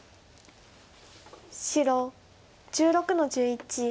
白１６の十一オシ。